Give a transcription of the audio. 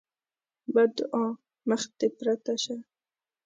بدعا: مخ دې پرته شه!